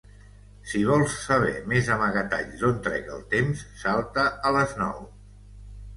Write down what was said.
Si vols saber més amagatalls d'on trec el temps, salta a les nou.